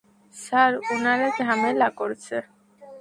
Sir, উনারা ঝামেলা করছে।